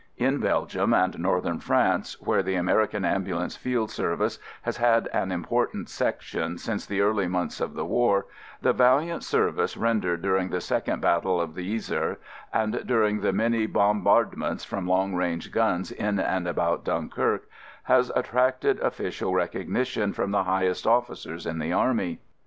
In Belgium and Northern France, where the American Ambulance Field Service has had an important Section since the early months of the war, the valiant xii INTRODUCTION service rendered during the second battle of the Yser, and during the many bom bardments from long range guns in and about Dunkirk, has attracted official rec ognition from the highest officers in the Army.